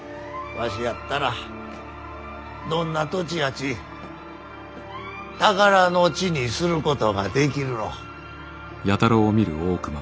わしやったらどんな土地やち宝の地にすることができるろう。